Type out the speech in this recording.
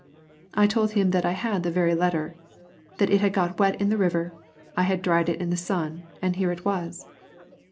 I told him that I had the very letter, that it had got wet in the river; I had dried it in the sun, and here it was.